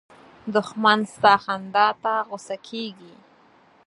دښمن ستا خندا ته غوسه کېږي